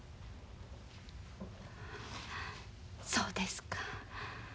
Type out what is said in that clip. そうですか。